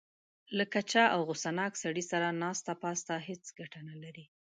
له کچه او غوسه ناک سړي سره ناسته پاسته هېڅ ګټه نه لري.